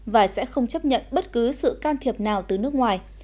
và sẽ không chấp nhận bất cứ sự can thiệp nào từ nước ngoài